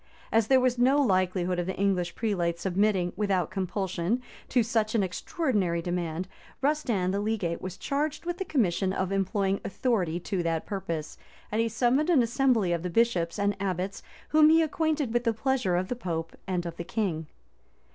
[] As there was no likelihood of the English prelates' submitting, without compulsion, to such an extraordinary demand, Rustand the legate was charged with the commission of employing authority to that purpose, and he summoned an assembly of the bishops and abbots whom he acquainted with the pleasure of the pope and of the king.